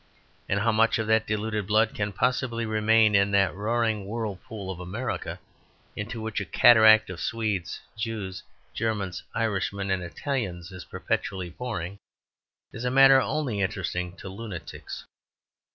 And how much of that diluted blood can possibly remain in that roaring whirlpool of America into which a cataract of Swedes, Jews, Germans, Irishmen, and Italians is perpetually pouring, is a matter only interesting to lunatics.